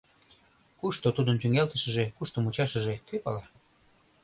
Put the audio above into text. Кушто тудын тӱҥалтышыже, кушто мучашыже — кӧ пала!